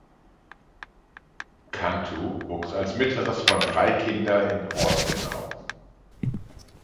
Cantu wuchs als mittleres von drei Kinder in Austin auf.